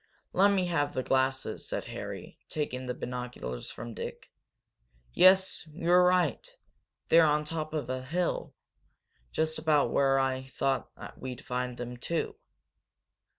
"Let me have the glasses," said Harry, taking the binoculars from Dick. "Yes, you're right! They're on the top of a hill, just about where I thought we'd find them, too.